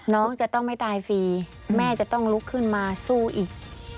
น้องจะต้องไม่ตายฟรีแม่จะต้องลุกขึ้นมาสู้อีก